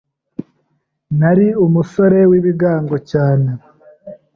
Nari umusore w’ibigango cyane